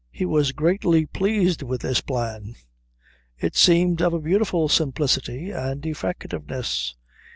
He was greatly pleased with this plan. It seemed of a beautiful simplicity and effectiveness.